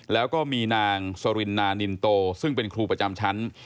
แล้วก็มีนางสรินานินโตซึ่งเป็นครูประจำชั้น